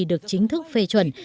được chính thức phê chuẩn